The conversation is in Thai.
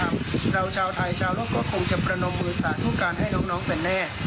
เราชาวไทยชาวโลกก็คงจะประนมมือสาธุการให้น้องกันแน่